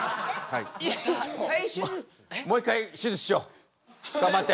もう一回手術しよう！頑張って。